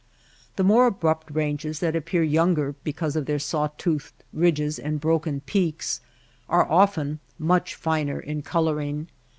The more abrupt ranges that appear younger because of their saw toothed ridges and broken peaks, are often much finer in coloring.